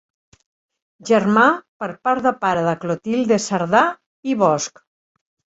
Germà per part de pare de Clotilde Cerdà i Bosch.